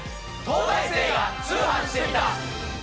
『東大生が通販してみた！！』。